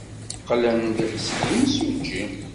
Qqlen-d seg yimsujji.